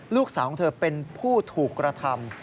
ลูกสาวของเธอเป็นผู้ถูกกระทำ